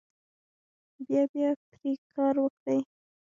بیا بیا پرې کار وکړئ.